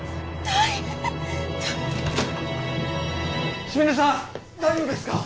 大丈夫ですか！？